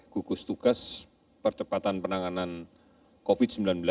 gugus tugas percepatan penanganan covid sembilan belas